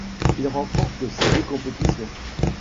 Il remporte ces deux compétitions.